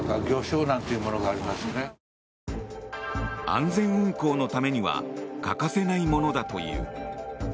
安全運航のためには欠かせないものだという。